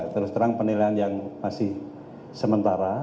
terus terang penilaian yang masih sementara